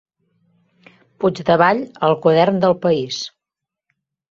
Puigdevall al Quadern d'El País.